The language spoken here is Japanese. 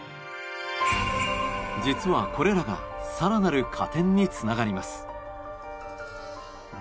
実は、これらが更なる加点につながります。